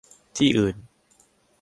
ที่อื่น